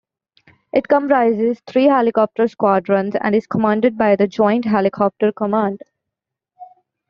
It comprises three helicopter squadrons and is commanded by the Joint Helicopter Command.